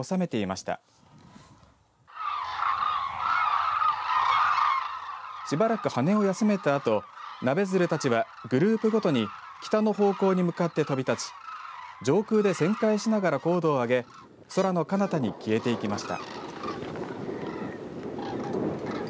しばらく羽を休めたあとナベヅルたちは、グループごとに北の方向に向かって飛び立ち上空で旋回しながら高度を上げ空のかなたに消えていきました。